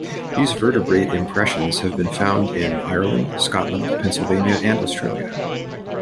These vertebrate impressions have been found in Ireland, Scotland, Pennsylvania, and Australia.